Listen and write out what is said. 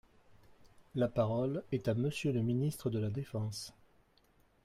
La parole est à Monsieur le ministre de la défense.